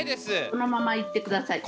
そのままいってください。